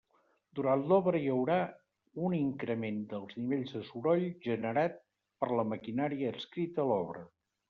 Durant l'obra hi haurà un increment dels nivells de soroll generat per la maquinària adscrita a l'obra.